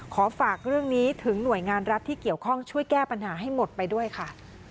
ขอฝากเรื่องนี้ถึงหน่วยงานรัฐที่เกี่ยวข้องช่วยแก้ปัญหาให้หมดไปด้วยค่ะ